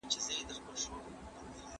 که په ښوونځي کې نظم وي.